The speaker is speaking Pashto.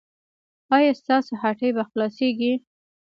ایا ستاسو هټۍ به خلاصیږي؟